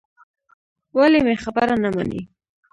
ولې مې خبره نه منې.